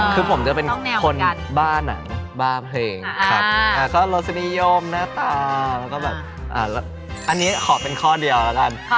คือผมจะเป็นคนบ้าหนังบ้าเพลงครับอันนี้ขอเป็นข้อเดียวกัน